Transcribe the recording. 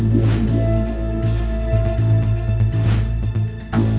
สวัสดีทุกคน